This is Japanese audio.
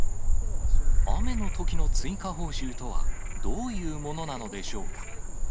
雨のときの追加報酬とは、どういうものなのでしょうか。